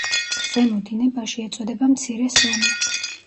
ზემო დინებაში ეწოდება „მცირე სონა“.